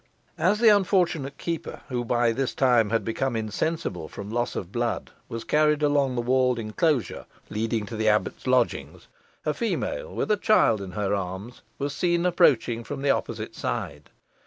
As the unfortunate keeper, who by this time had become insensible from loss of blood, was carried along the walled enclosure leading to the abbot's lodging, a female with a child in her arms was seen advancing from the opposite side.